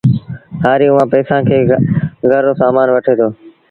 هآريٚ اُئآݩ پئيٚسآݩ مآݩ گھر رو سامآݩ وٺي دو